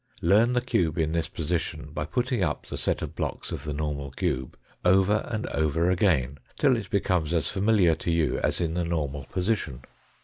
Learn the cube in this position by putting up the set of blocks of the normal cube, over and over again till it becomes as familiar to you as in the normal position.